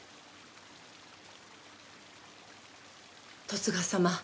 十津川様